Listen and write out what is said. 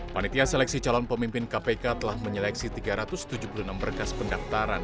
panitia seleksi calon pemimpin kpk telah menyeleksi tiga ratus tujuh puluh enam berkas pendaftaran